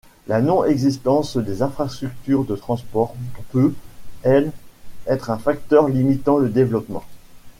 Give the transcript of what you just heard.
La non-existence des infrastructures de transport peut, elle, être un facteur limitant le développement.